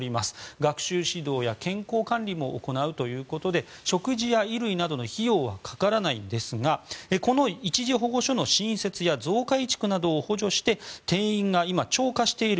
学習指導や健康管理も行うということで食事や衣類などの費用はかからないんですがこの一時保護所の新設や増改築などを補助して定員が今、超過している。